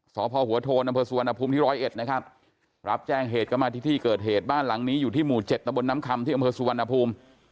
สพหัวโทนอำเภอสุวรรณภูมิที่ร้อยเอ็ดนะครับรับแจ้งเหตุก็มาที่ที่เกิดเหตุบ้านหลังนี้อยู่ที่หมู่๗ตะบนน้ำคำที่อำเภอสุวรรณภูมิ